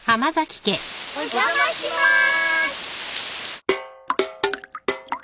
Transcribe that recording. お邪魔します。